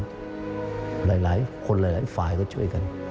หลายคนหลายฝ่ายก็ช่วยกัน